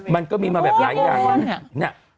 มันก็มีมาแบบหลายอย่าง